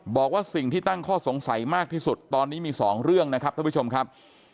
บอกว่าสิ่งที่ตั้งข้อสงสัยมากที่สุดตอนนี้มี๒เรื่องนะครับท่านผู้ชมครับ